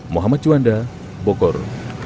muhammad juanda bogor